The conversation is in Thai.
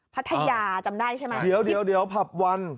พัทยาจำได้ใช่ไหมครับคลับวัน